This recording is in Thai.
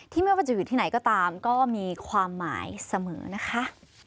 ไม่ว่าจะอยู่ที่ไหนก็ตามก็มีความหมายเสมอนะคะ